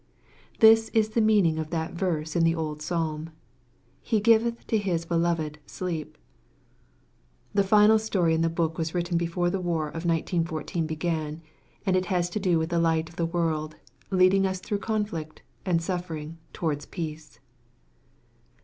This is the meaning of that verse in the old psalm: "He giveth to His beloved in sleep." The final story in the book was written before the War of 1914 began, and it has to do with the light of the World, leading us through conflict and suffering towards Peace.